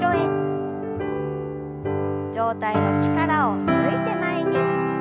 上体の力を抜いて前に。